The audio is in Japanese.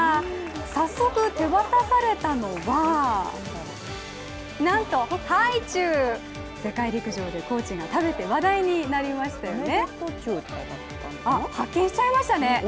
早速、手渡されたのはなんとハイチュウ、世界陸上でコーチが食べて話題になりましたよね。